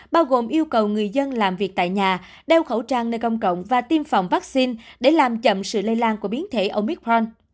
bao gồm yêu cầu người dân làm việc tại nhà đeo khẩu trang nơi công cộng và tiêm phòng vaccine để làm chậm sự lây lan của biến thể omicron